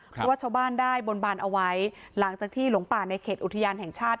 เพราะว่าชาวบ้านได้บนบานเอาไว้หลังจากที่หลงป่าในเขตอุทยานแห่งชาติ